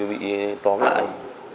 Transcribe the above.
tôi bị tóm lại